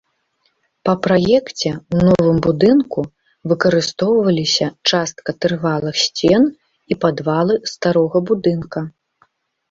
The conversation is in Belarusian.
Па праекце ў новым будынку выкарыстоўваліся частка трывалых сцен і падвалы старога будынка.